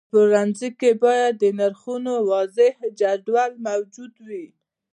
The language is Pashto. په پلورنځي کې باید د نرخونو واضحه جدول موجود وي.